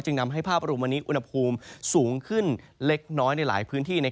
นำให้ภาพรวมวันนี้อุณหภูมิสูงขึ้นเล็กน้อยในหลายพื้นที่